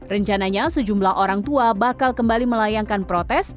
rencananya sejumlah orang tua bakal kembali melayangkan protes